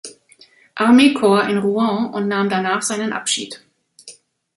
Armeekorps in Rouen und nahm danach seinen Abschied.